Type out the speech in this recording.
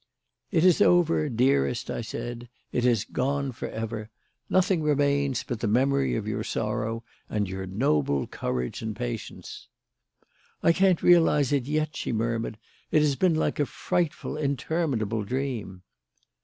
"It is over, dearest," I said. "It is gone for ever. Nothing remains but the memory of your sorrow and your noble courage and patience." "I can't realise it yet," she murmured. "It has been like a frightful, interminable dream."